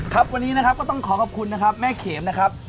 ครับวันนี้นะครับก็ต้องขอขอบคุณนะครับแม่เข็มนะครับ